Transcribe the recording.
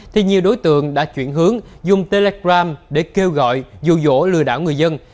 thì nhiều đối tượng đã chuyển hướng dùng telegram để kêu gọi dù dỗ lừa đảo người dân